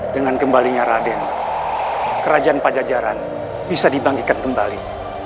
dengan kembalinya raden kerajaan pajajaran bisa dibangkitkan kembali